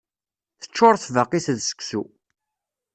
Teččuṛ tbaqit d seksu.